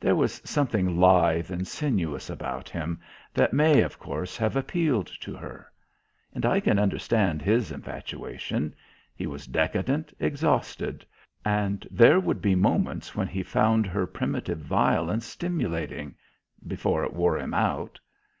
There was something lithe and sinuous about him that may, of course, have appealed to her. And I can understand his infatuation. He was decadent, exhausted; and there would be moments when he found her primitive violence stimulating, before it wore him out.